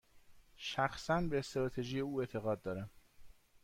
شخصا، به استراتژی او اعتقاد دارم.